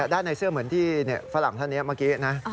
ด้านในเสื้อเหมือนที่ฝรั่งท่านนี้เมื่อกี้นะ